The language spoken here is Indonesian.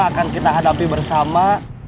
akan kita hadapi bersama